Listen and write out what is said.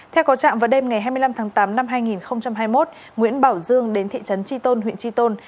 theo có trạm vào đêm ngày hai mươi năm tháng tám năm hai nghìn hai mươi một nguyễn bảo dương đến thị trấn tri tôn huyện tri tôn